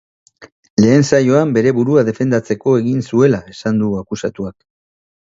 Lehen saioan, bere burua defendatzeko egin zuela esan du akusatuak.